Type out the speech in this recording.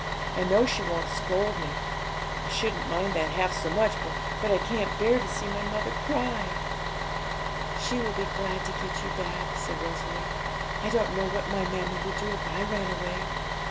I know she won't scold mo; I shouldn't mind that half so much, but I can't bear to see my mother cry.' 'She will be glad to get you back,' said Rosalie. 'I don't know what my mammie would do if I ran away.'